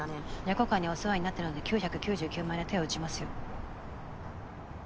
若琥会にはお世話になってるので９９９万円で手を打ちますよ。